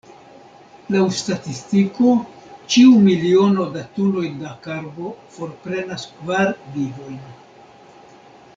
Laŭ statistiko, ĉiu miliono da tunoj da karbo forprenas kvar vivojn.